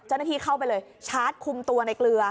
เจ้าหน้าที่เข้าไปเลยชาร์จคุมตัวในเกลือ